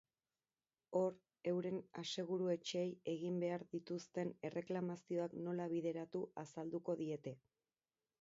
Hor, euren aseguru-etxeei egin behar dituzten erreklamazioak nola bideratu azalduko diete.